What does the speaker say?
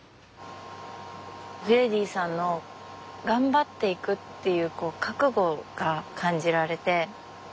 フレディさんの頑張っていくっていうこう覚悟が感じられて。